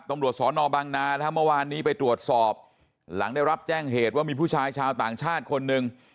ตำรวจสอนอบางนานะฮะเมื่อวานนี้ไปตรวจสอบหลังได้รับแจ้งเหตุว่ามีผู้ชายชาวต่างชาติคนหนึ่ง